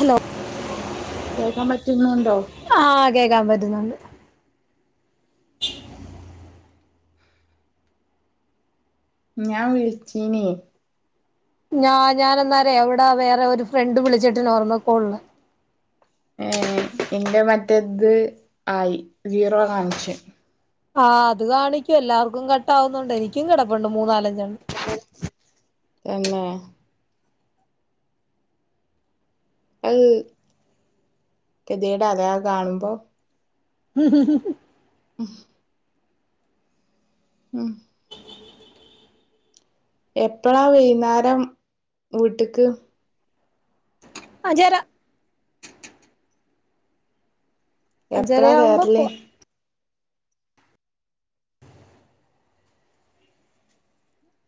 Hello. കേക്കാൻ പറ്റുന്നുണ്ടോ? ആഹ് കേക്കാൻ പറ്റുന്നുണ്ട്. ഞാൻ വിളിച്ചീനി. ഞാ ഞാനന്നാരേ എവിടെ വേറെ ഒരു ഫ്രണ്ട് വിളിച്ചിട്ടി നോർമൽ കാൾ - ഏഹ് എന്റെ മറ്റേത് ആയി സീറോ കാണിച്. ആ്ഹ് അത് കാണിക്കും എല്ലാവർക്കും കട്ടാവുന്നുണ്ട് എനിക്കും കിടപ്പുണ്ട് മൂന്നാലഞ്ചെണ്ണം. എങ്ങേ അവ് ഗതിയേടാ ലേ അവ് കാണുമ്പോ ഹ്ഹ്മ്മ്‌ ഉം ഉം എപ്പളാ വൈന്നേരം വീട്ട്ക്ക്? അഞചാര. അഞ്ചര എപ്പളാ ആവുമ്പോ കേറല് പോവും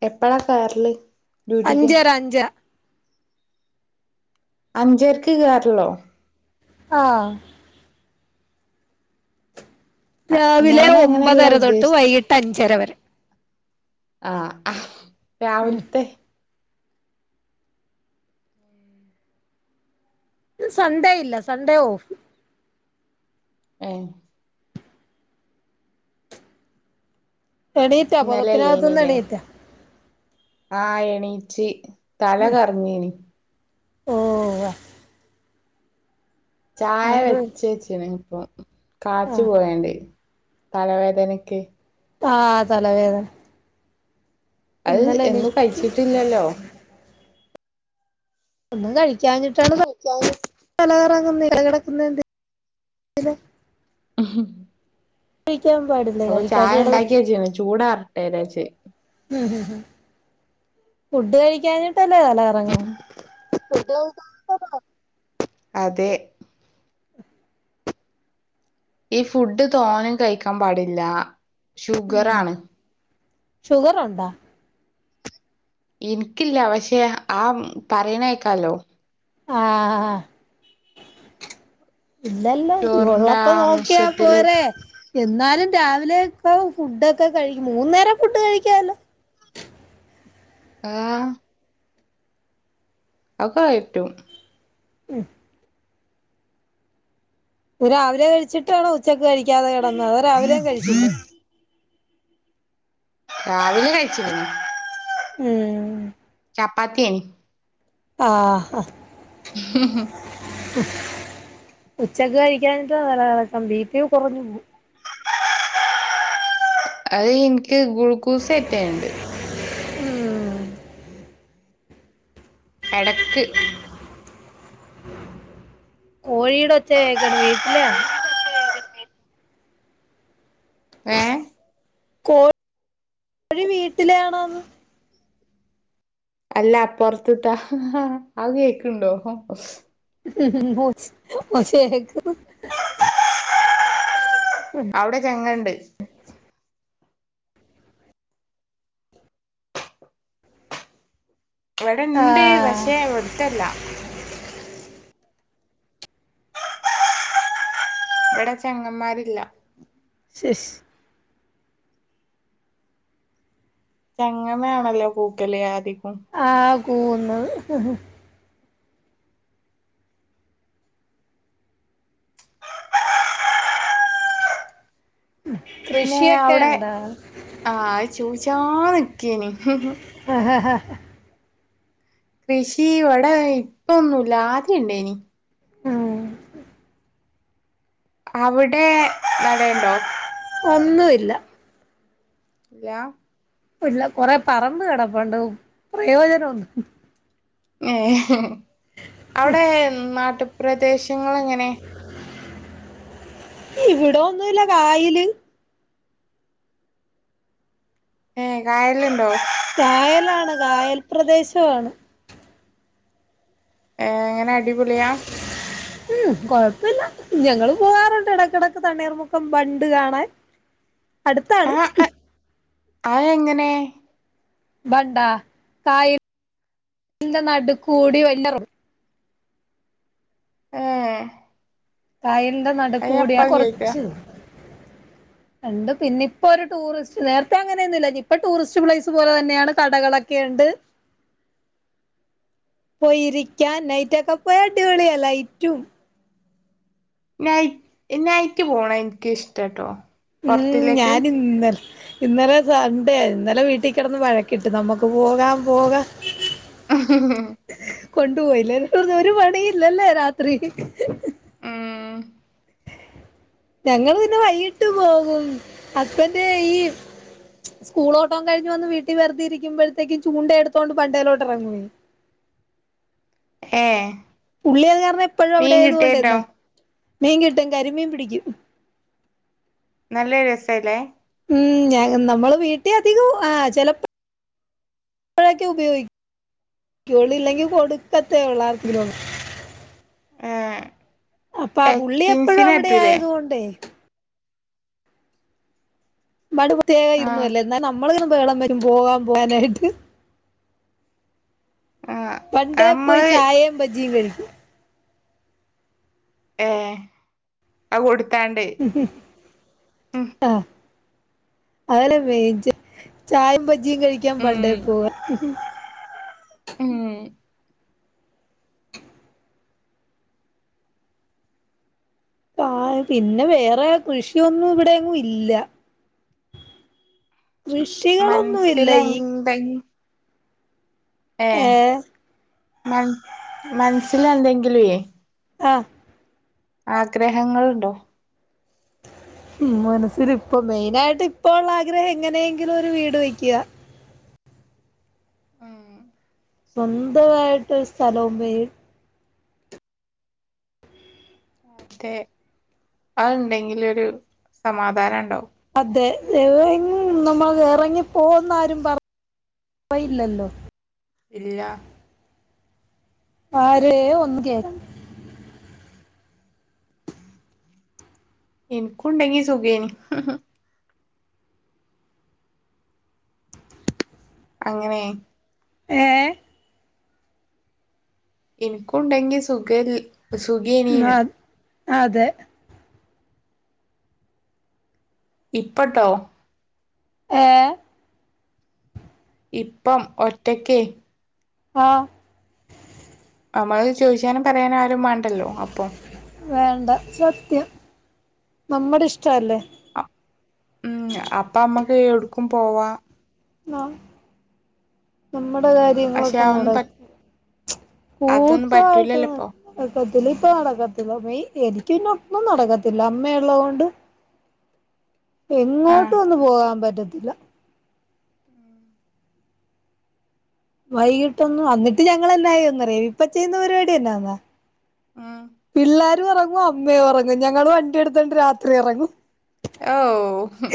എപ്പളാ കേറല് ഡ്യൂട്ടിക്ക് അഞ്ചരാ അഞ്ചര അഞ്ചരക്ക്‌ കേറലോ ആഹ് രാവിലെ ഞാൻ അങ്ങനെയല്ല ഒമ്പതര തൊട്ട് ഉദ്ദേശിച്ചെ വൈകിട്ട് അഞ്ചര വരെ ആഹ് രാവിൽത്തെ സൺഡേ ഇല്ല സൺഡേ ഓഫ് ഏ എണീറ്റാ പൊതപ്പിനകത്തുന്ന് എണീറ്റാ ആഹ് എണീച്ച് തല കറങ്ങേനി ഓഹ് ചായ അതെന്ത് പറ്റി? വെച്ചേച്ചിണ് ഇപ്പോ കാച്ച് ആഹ് പോയാണ്ട തലവേദനക്ക് ആഹ് തലവേദന അഹ് ഇന്നലെ എണീ എന്നും കഴിച്ചിട്ടില്ലല്ലോ ഒന്നും കഴിക്കാഞ്ഞിട്ടാണ് [inaudible] കഴിക്കാൻ പാടില്ല അപ്പൊ കഴിക്കാണ്ട് ചായ കിടന്ന് ഉണ്ടാക്കിയേച്ച്ണ് ചൂടാറട്ടെ ജാരിച് ഫുഡ് കഴിക്കാഞ്ഞിട്ടല്ലേ തലകറങ്ങണെ അതെ ഈ ഫുഡ് തോനെ കയിക്കാൻ പാടില്ല ഷുഗർ ആാണ് ശുഗർ ഉണ്ട എനിക്കില്ല പക്ഷെ ആ പറയണേക്കാലോ ആഹ് ആഹ് ഇല്ലല്ലോ ചോറിന്റെ ഉള്ളപ്പ നോക്കിയാ ആംശത്തില് പോരെ എന്നാലും രാവിലെ ഒക്കെ ഫുഡൊക്കെ കഴിക്കും മൂന്ന നേരം ഫുഡ് കഴിക്കാലോ ആഹ് അകയറ്റും മ്മ്ഹ് രാവിലെ കഴിച്ചിട്ടാണോ ഉച്ചക്ക് കഴിക്കാതെ കിടന്ന അത് രാവിലെയും കഴിച്ചില്ലേ രാവില കഴിച്ചിണ് മ്മ്ഹ് ചപ്പാത്തിയെയ്നിം ആഹ് ആ മ്മ്ഹ് ഉച്ചക്ക് കഴിക്കാഞ്ഞിട്ടാ തലറക്കം ബീപി കുറഞ്ഞു പോവും അത് ഇന്ക്ക് ഗ്ലൂക്കൂസ്‌ കയറ്റാണ്ട് മ്മ്ഹ് എടക്ക് കോഴിയുടെ ഒച്ച കേക്കണ് വീട്ടലാ ആണ് ഏഹ് കോഴി കോഴി വീട്ടിലാണന്ന് അല്ല അപ്പോർത് താ ആ കേക്കണ്ടോ ഒച്ച ഒച്ച കേക്ക് ന്ന് അവിടെ ചങ്ങണ്ട് ഇവിടെണ്ട്, ആഹ് പഷെ ഇവ്ടുത്തല്ല ഇവിടെ ചെങ്ങമ്മാരില്ല. ശ് ശ്. ചങ്ങനാണല്ലോ കൂട്ടല് അധികം. ആഹ് ആഹ് കൂവ്ന്ന് ഹ് ഹ്. പിന്നേ കൃഷിയൊക്കെ അവ്ടെ ഇണ്ടാ ആഹ് അ് ചോയിച്ചാ നിക്കിയനി ഹ്ം ഹ്ം. ആഹ് ഹാ ഹാ. കൃഷീ വടെ ഇപ്പൊന്നുല്ല ആദ്യണ്ടേനി. ആഹ്ഹ് അവ്ടെ നടയണ്ടോ? ഒന്നുഇല്ല. ലാ. ഇല്ല, കൊറെ പറമ്പ് കിടപ്പൊണ്ട്, പ്രയോജനൊന്നു ഏഹ്ഹ്ഹ് അവ്ടെ നാട്ട് പ്രദേശങ്ങൾ എങ്ങനെ? ഇവിടോന്നുല്ല കായില്. ഏഹ് കായലുണ്ടോ? കായലാണ് കായൽ പ്രദേശവാണ്. ഏഹ് ങ്ങനെ അടിപൊളിയാ? ഉം കൊഴപ്പില്ല, ഞങ്ങളും പോകാറുണ്ട് ഇടക്കിടക്ക് തണ്ണീർ മുക്കം ബണ്ട് കാണാൻ. [inaudible] അടുത്താണ് ഹ്ം. ആയെങ്ങനെ? ബണ്ടാ, കായ [inaudible] ൻ്റെ നടുക്കൂടി വല്ലറോ ഏ കായൽന്റെ അത് നടുക്കൂടിയാ അപ്പം കേക്ക കൊറച്ച് [inaudible] ഉണ്ട്, പിന്ന ഇപ്പൊ ഒരു ടൂറിസ്റ്റ് നേരത്തെ അങ്ങനൊന്നില്ലാഞ് ഇപ്പൊ ടൂറിസ്റ്റ് പ്ലേസ് പോലെ തന്നെയാണ് കടകളൊ ക്കെയണ്ട്. [inaudible] പോയിരിക്കാൻ, നൈറ്റൊക്കെ പോയാ അടിപൊളിയാ ലൈറ്റും നൈ നൈറ്റ് പോണം ൻക്ക് ഇഷ്ട ട്ടോ. ഉം ഞാനിന്നല ഇന്നലെ സണ്ടേ ആയ്ര്ന്ന്, ഇന്നലെ വീട്ടി കെടന്ന് വഴക്കിട്ട് നമ്മക്ക് പോകാം പോകാം. ഹ്ംഹ്ംഹ്ം കൊണ്ട് പോയില്ല [unintelligible] ഒരു പണിയില്ലല്ലേ രാത്രി. മ്ം. ഞങ്ങള് പിന്നെ വൈകീട്ട് പോകും ഹസ്ബൻഡ് ഈ സ്കൂളോട്ടും കഴിഞ്ഞ് വന്ന് വീട്ടി വെറുതെ ഇരിക്കുമ്പോഴത്തേക്കും ചൂണ്ട എടുത്തോണ്ട് ബണ്ടയിലോട്ടിറങ്ങും. ഏഹ്. പുള്ളിയത് കാരണം എപ്പോഴും അവിടെ ആയത് കൊണ്ടെന്ന് മീൻ കിട്ടും കരിമീൻ പിടിക്കും. നല്ല രെസല്ലേ? ഉം ഞ നമ്മള് വീട്ടില് അധികും ആഹ് ചെലപ്പ ഇപ്പഴൊക്കെ ഉപയോഗി [inaudible] ക്കുളി ഇല്ലെങ്കിൽ കൊടുക്കത്തെ ഉള്ള ആർക്കെംകിലു ഏഹ് അപ്പൊ ആ പുള്ളി എപ്പോഴും ടച്ചിംങ്സിനു അവിടെ അറ്റൂലേ? ആയത് കൊണ്ടേ. മഴ പ്രത്യേക ആ ഇതൊന്നുമല്ല എന്നാലും നമ്മളും [inaudible] വെള്ളം വരും പോകാൻ പോകാനായിട്ട്. ആ ബണ്ടേ പോയി നമ്മള് ചായയും ബജ്ജിയും കഴിക്കും. ഏഹ് അ്കൊടുത്താണ്ടേ. ഹ്ംഹ്ം ആഹ് അതോലെ മേചാ ചായയും ബജ്ജിയും കഴിക്കാൻ ഉം ബണ്ടേ പോക മ്ഹ് ഉം. പാ പിന്നെ വേറെ കൃഷിയൊന്നും ഇവിടെങ്ങും ഇല്ല. കൃഷികളൊന്നും ഇല്ല ഈ മൻസിലന്തെ ഏഹ് ഏ മൻ മനസില് എന്തെങ്കിലുവേ ഹാ ആഗ്രഹങ്ങൾ ണ്ടോ? ഉം മനസ്സിൽ ഇപ്പ മെയിനായിട്ട് ഇപ്പോ ഉള്ള ആഗ്രഹം എങ്ങനെയെങ്കിലും ഒരു വീട് വെക്കാ ഉം സ്വന്തവായിട്ട് സ്ഥലവും വീ ക്കെ. അത് ഉണ്ടെങ്കിലൊരു സമാധാനം ഉണ്ടാവും. അതെ. [unintelligible] നമ്മള് ഇറങ്ങിപ്പോ എന്നാരും പറ പറയില്ലല്ലോ. ഇല്ല. ആരെയും ഒന്ന് കേ ഇൻക്കും ണ്ടെങ്കി സുഖേനി. അങ്ങനേ ഏഹ്? ഇൻക്കുണ്ടെങ്കി സുഖൻ സുഖേനീന്ന്. അതെ. ഇപ്പട്ടോ. ഏഹ്? ഇപ്പം ഒറ്റക്കെ. ആഹ്. നമ്മള് ചോയിച്ചാനും പറയാനും ആരും മാണ്ടല്ലോ അപ്പം. വേണ്ട. സത്യം നമ്മടെ ഇഷ്ടവല്ലേ. ഉം അപ്പ അമ്മക്ക് എട്ക്കും പോവാ. ആഹ് നമ്മടെ പക്ഷെ കാര്യങ്ങളൊക്കെ അതൊന്നും പ നടക്കും. അതൊന്നും കൂട്ടവായിട്ട് പറ്റൂലല്ലോ ഇപ്പൊ നടക്കത്തില്ലാ ഇപ്പ നടക്കത്തില്ല മെയിൻ എനിക് പിന്നെ ഒന്നും നടക്കത്തില്ല അമ്മയുള്ളത് കൊണ്ട്. ആഹ് എങ്ങോട്ടും ഒന്നു പോകാൻ പറ്റത്തില്ല. വൈകിട്ട് ഒന്നും. അന്നിട്ട് ഞങ്ങൾ എന്നാ ചെയ്യുംന്നറിയോ ഇപ്പ ചെയ്യുന്ന പരിപാടിയെന്നാ ന്നാ ആഹ് പിള്ളേരും ഒറങ്ങും അമ്മയും ഒറങ്ങും. ഞങ്ങള് വണ്ടി എടുത്തോണ്ട് രാത്രി ഇറങ്ങും. ഔഹ്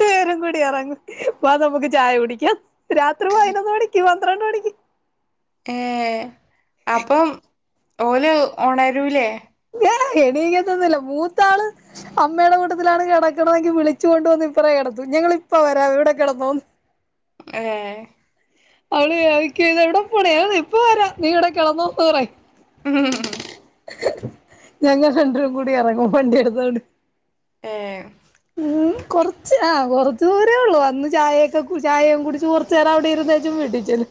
രണ്ട് പേരും കൂടി എറങ്ങും. വാ നമുക്ക് ചായ കുടിക്കാം രാത്രി പതിനൊന്ന് മണിക്ക് പന്ത്രണ്ട് മണിക്ക്. ഏഹ്. അപ്പം ഓല് ഒണരൂല്ലേ? ഏയ്. എണിക്കത്തൊന്നുമില്ല. മൂത്താള് അമ്മയുടെ കൂട്ടത്തിലാണ് കിടക്കണതെങ്കി വിളിച്ചു കൊണ്ട് വന്ന് ഇപ്പറ കെടത്തും ഞങ്ങൾ ഇപ്പം വരാം ഇവിടെ കിടന്നോന്ന് ഏഹ്. അവൾ ചോയ്ക്കും ഇത് എവിടെ പോവണ്? [unintelligible] ഇപ്പ വരാ നീ ഇവിടെ കിടന്നൊ എന്ന് പറയും. [inaudible] ഞങ്ങൾ രണ്ട് പേരും കൂടി എറങ്ങും വണ്ടിയെടുത്തോണ്ട്. ഏഹ് കൊറച്ച് ആഹ് കൊറച്ച് ദൂരേ ഉള്ളൂ. വന്ന് ചായയെക്കെ കുടി ചായെം കുടിച്ച് കുറച്ചു നേരം അവിടെ ഇരുന്നേച്ചും വീട്ടിൽ ചെല്ലും.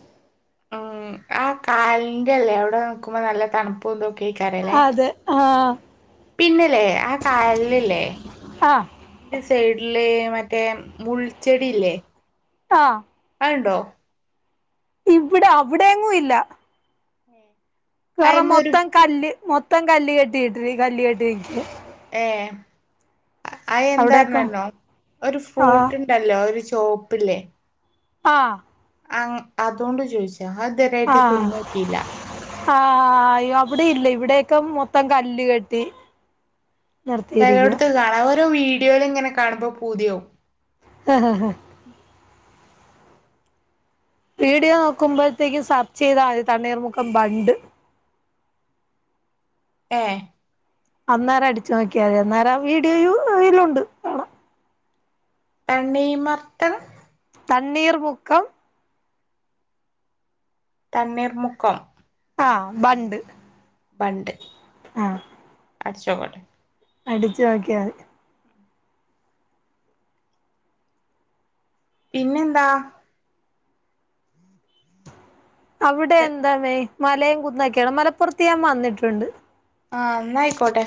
ഉം. ആ കായലിന്റല്ലേ അവിടെ നിക്കുമ്പം നല്ല തണുപ്പും ഇതൊക്കെയ്ക്കാരെല്ലേ. അതെ ആഹ് പിന്നല്ലേ ആ കായൽല്ലേ ആഹ് ന്റെ സൈഡില് മറ്റേ മുൾച്ചെടി ഇല്ലേ. ആഹ് അത്ണ്ടോ? ഇവിടെ അവിടെയെങ്ങും ഇല്ല. എറ അയ്മ ഒരു മൊത്തം കല്ല് മൊത്തം കല്ല് കെട്ടിയിട്ടിരിക്കുവാ കല്ല് കെട്ടി നിക്കാ. ഏഹ്. അത് എന്താ അവിടെയൊക്കെ പറഞ്ഞെര്ണോ ഒരു ആഹ് ഫ്രൂട്ട് ഉണ്ടല്ലോ ഒരു ചോപ്പില്ലേ ആഹ് ആഹ് അതുകൊണ്ട് ചോദിച്ചതാ അത് ഇത് വരായിട്ട് ആഹ് തിന്ന് നോക്കിയില്ല ആഹ് അവിടെ ഇല്ല ഇവിടെയൊക്കെ മൊത്തം കല്ല് കെട്ടി നിർത്തിയിരിക്കുക ചെലടത്ത് കാണാം ഓരോ വീഡിയോയില് ഇങ്ങനെ കാണുമ്പോ പൂതിയാവും ആഹ് ആഹ് ആഹ് വീഡിയോ നോക്കുമ്പോഴത്തേക്കും സർച്ച് ചെയ്താ മതി തണ്ണീർ മുക്കം ബണ്ട് ഏ അന്നേരം അടിച്ചു നോക്കിയാ മതി അന്നേരം വീഡിയോയും ഇതിലുണ്ട് തണ്ണീമർത്തൻ തണ്ണീർമുക്കം തണ്ണീർമുക്കം ആഹ് ബണ്ട് ബണ്ട് ആഹ് അടിച്ച് നോക്കട്ടെ അടിച്ചു നോക്കിയാ മതി പിന്നെന്താ അവിടെ എന്താണ് മലയും കുന്നക്കേ ആണോ മലപ്പുറത്ത് ഞാൻ വന്നിട്ടുണ്ട് ആഹ് എന്നാ ആയിക്കോട്ടെ